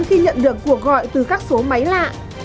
khi nhận được cuộc gọi từ các số máy lạ